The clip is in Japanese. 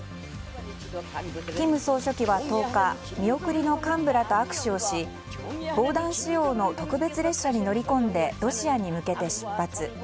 金総書記は１０日見送りの幹部らと握手をし防弾仕様の特別列車に乗り込んでロシアに向けて出発。